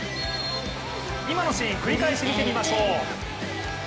今のシーン、振り返ってみてみましょう。